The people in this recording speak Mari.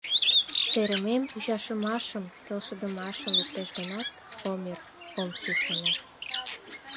Серымем ӱчашымашым, келшыдымашым луктеш гынат, ом ӧр, ом сӱсане.